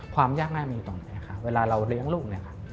ความยากง่ายมีอยู่ตรงไหนค่ะเวลาเราเลี้ยงลูกเนี่ยค่ะ